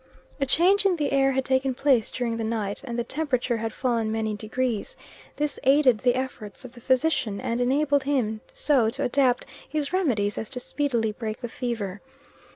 A change in the air had taken place during the night, and the temperature had fallen many degrees. This aided the efforts of the physician, and enabled him so to adapt his remedies as to speedily break the fever.